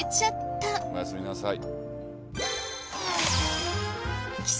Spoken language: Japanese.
おやすみなさい。